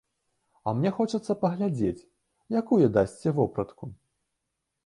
А мне хочацца паглядзець, якую дасце вопратку?